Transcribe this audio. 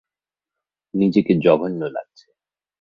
নিজেকে জঘন্য লাগছে।